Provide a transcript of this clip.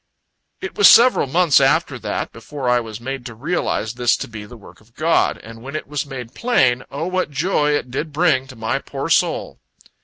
... It was several months after that, before I was made to realize this to be the work of God; and when it was made plain, O what joy it did bring to my poor soul!